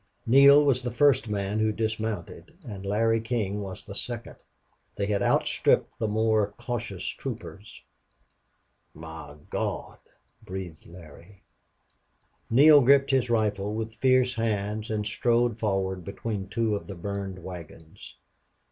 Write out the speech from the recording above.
Neale was the first man who dismounted, and Larry King was the second. They had outstripped the more cautious troopers. "My Gawd!" breathed Larry. Neale gripped his rifle with fierce hands and strode forward between two of the burned wagons.